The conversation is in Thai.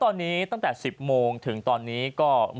ตอนนี้ตั้งแต่๑๐โมงภายละครครับ